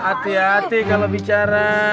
hati hati kalau bicara